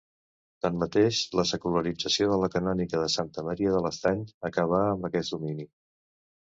Tanmateix, la secularització de la canònica de Santa Maria de l'Estany acabà amb aquest domini.